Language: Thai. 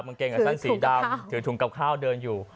มันเก่งอย่างท่านสีดำถือถุงกับข้าวเดินอยู่